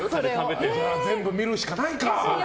全部、見るしかないか。